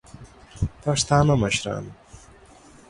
پښتانه مشران